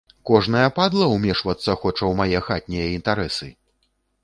Кожная падла ўмешвацца хоча ў мае хатнія інтарэсы?!